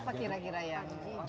apa kira kira yang